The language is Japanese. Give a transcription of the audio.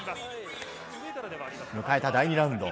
迎えた第２ラウンド。